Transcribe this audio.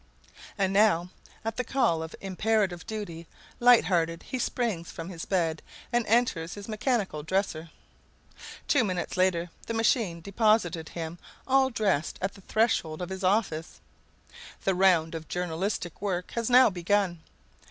And now, at the call of imperative duty, light hearted he springs from his bed and enters his mechanical dresser. Two minutes later the machine deposited him all dressed at the threshold of his office. The round of journalistic work was now begun.